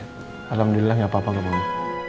udah alhamdulillah gak apa apa gak apa apa